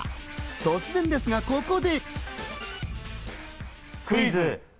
突然ですが、ここで。